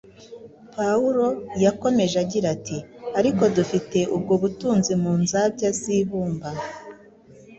Pawulo yakomeje agira ati: “Ariko dufite ubwo butunzi mu nzabya z’ibumba,